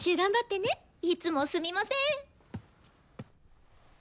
いつもすみません。